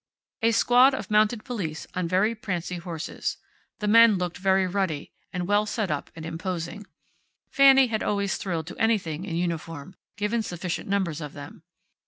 A squad of mounted police, on very prancy horses. The men looked very ruddy, and well set up and imposing. Fanny had always thrilled to anything in uniform, given sufficient numbers of them.